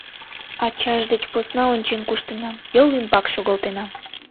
Ачаж деч посна ончен куштенам, йол ӱмбак шогалтенам.